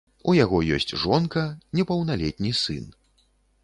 У яго ёсць жонка, непаўналетні сын.